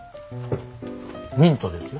ミントですよ。